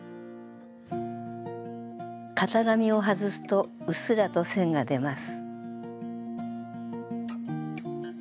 型紙を外すとうっすらと線が出ます。